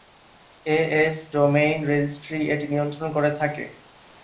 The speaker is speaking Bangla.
এএস ডোমেইন রেজিস্ট্রি এটি নিয়ন্ত্রণ করে থাকে।